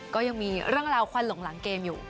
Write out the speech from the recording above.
ก็ยังมีเรื่องราวควันหลงหลังเกมอยู่